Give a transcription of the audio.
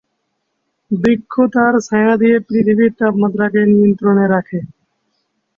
বৃক্ষ তার ছায়া দিয়ে পৃথিবীর তাপমাত্রাকে নিয়ন্ত্রণে রাখে।